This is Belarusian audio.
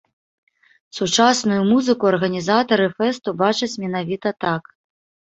Сучасную музыку арганізатары фэсту бачаць менавіта так.